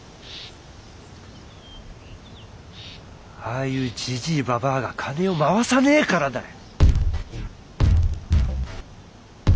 ああいうじじいばばあが金を回さねえからだよ！